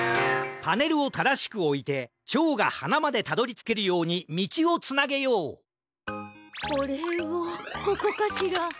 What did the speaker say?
パネルをただしくおいてチョウがはなまでたどりつけるようにみちをつなげようこれをここかしら？